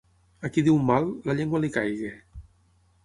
A qui diu mal, la llengua li caigui.